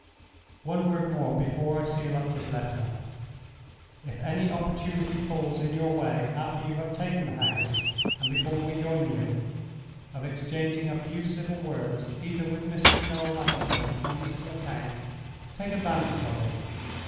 "One word more before I seal up this letter. "If any opportunity falls in your way after you have taken the house, and before we join you, of exchanging a few civil words either with Mr. Noel Vanstone or Mrs. Lecount, take advantage of it.